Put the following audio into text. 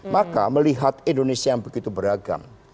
maka melihat indonesia yang begitu beragam